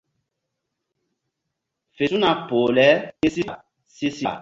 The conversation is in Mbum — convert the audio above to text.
WF su̧na poh le ké si síɓa si siɓa ɓay hɔl gunri.